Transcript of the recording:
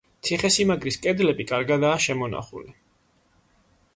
ციხესიმაგრის კედლები კარგადაა შემონახული.